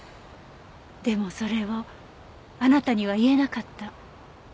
でもそれをあなたには言えなかった。